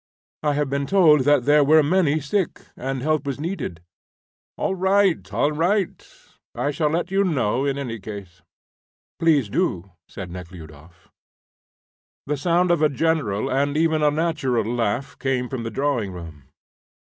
"I have been told that there were many sick, and help was needed." "All right, all right. I shall let you know in any case." "Please do," said Nekhludoff. The sound of a general and even a natural laugh came from the drawing room.